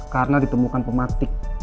karena ditemukan pematik